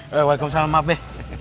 waalaikumsalam ma be